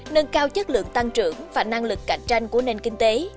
nâng cao chất lượng tăng trưởng và năng lực cạnh tranh của nền kinh tế